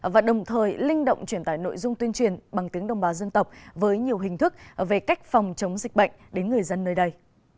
và đồng thời linh động truyền tải nội dung tuyên truyền bằng tiếng đồng bào dân tộc với nhiều hình thức về cách phòng chống dịch bệnh đến người dân nơi đây